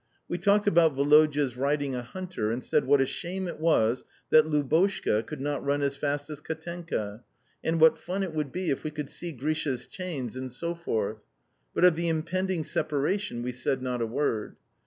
We talked about Woloda's riding a hunter and said what a shame it was that Lubotshka, could not run as fast as Katenka, and what fun it would be if we could see Grisha's chains, and so forth; but of the impending separation we said not a word.